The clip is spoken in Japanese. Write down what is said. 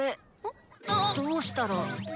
どうしたら。